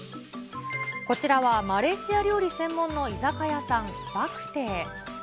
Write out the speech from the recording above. こちらはマレーシア料理専門の居酒屋さん、バクテー。